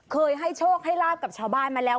เคยให้โชคให้ลาบกับชาวบ้านมาแล้ว